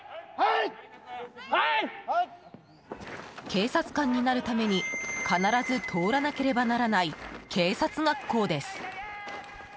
警察官になるために必ず通らなければならない警察学校です。